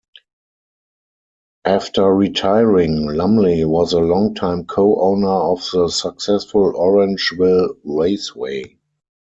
After retiring, Lumley was a longtime co-owner of the successful Orangeville Raceway.